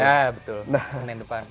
iya betul senin depan